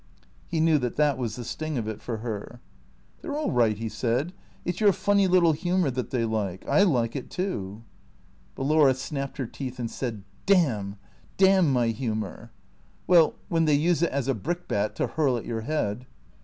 He knew that that was the sting of it for her. "They're all right," he said. "It's your funny little humour that they like. I like it, too." THE CKEATORS 427 But Laura snapped her teeth and said, " Damn ! Damn my humour ! Well — when they use it as a brickbat to hurl at your head."